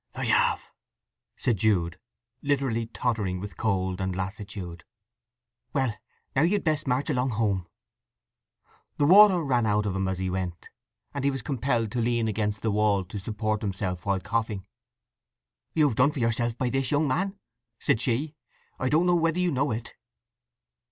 "I have," said Jude, literally tottering with cold and lassitude. "Well, now you'd best march along home." The water ran out of him as he went, and he was compelled to lean against the wall to support himself while coughing. "You've done for yourself by this, young man," said she. "I don't know whether you know it."